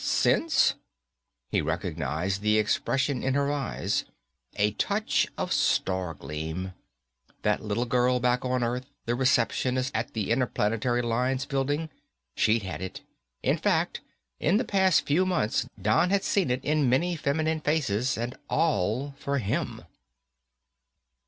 "Since?" He recognized the expression in her eyes. A touch of star gleam. That little girl back on Earth, the receptionist at the Interplanetary Lines building, she'd had it. In fact, in the past few months Don had seen it in many feminine faces. And all for him.